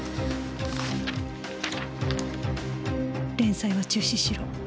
「連載は中止しろ！」